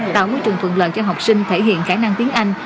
tạo môi trường thuận lợi cho học sinh thể hiện khả năng tiếng anh